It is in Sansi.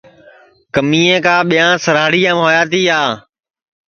کمیے کا ٻیاں سراہڑیام ہویا تیا